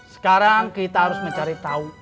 sekarang kita harus mencari tahu